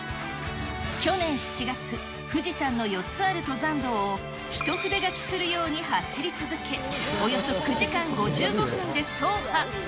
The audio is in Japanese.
去年７月、富士山の４つある登山道を、一筆書きするように走り続け、およそ９時間５５分で走破。